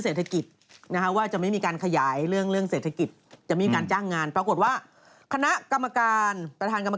อัตราค่าจ้างครับแรงงานขั้นต่ำอ้าเกย์คุณทำงานหน่อย